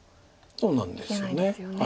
そうなんですよね。